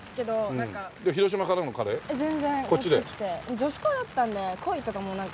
女子高だったんで恋とかもうなんか。